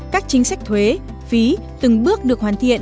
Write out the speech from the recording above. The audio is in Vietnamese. các chính sách thuế phí từng bước được hoàn thiện